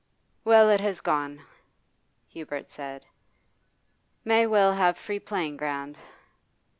'Well, it has gone,' Hubert said. 'May will have free playing ground.